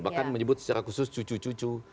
bahkan menyebut secara khusus cucu cucu